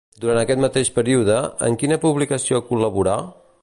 Durant aquest mateix període, en quina publicació col·laborà?